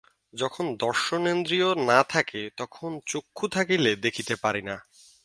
যখন দর্শনেন্দ্রিয় না থাকে, তখন চক্ষু থাকিলেও দেখিতে পারি না।